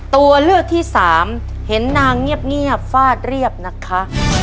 ตัวเลือกที่สามเห็นนางเงียบฟาดเรียบนะคะ